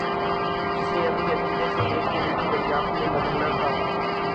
جسے ابھی عقیدے سے ایک علمی دریافت میں بدلنا تھا۔